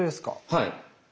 はい。